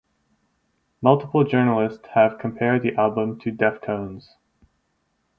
Multiple journalists have compared the album to Deftones.